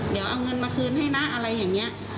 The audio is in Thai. เดี๋ยวเอาเงินมาคืนให้นะอะไรอย่างนี้